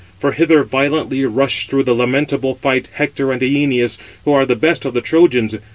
For hither violently rush through the lamentable fight Hector and Æneas, who are the best of the Trojans.